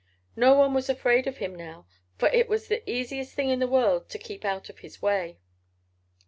No one was afraid of him now, for it was the easiest thing in the world to keep out of his way.